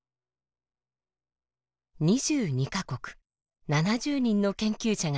２２か国７０人の研究者が結集。